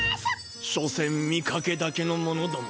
しょせん見かけだけの者ども。